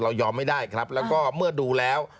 ยอมไม่ได้ครับแล้วก็เมื่อดูแล้ว